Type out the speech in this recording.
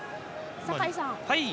酒井さん